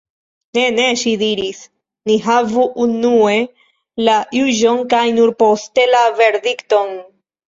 "Ne, ne," ŝi diris, "ni havu unue la juĝon, kaj nur poste la verdikton."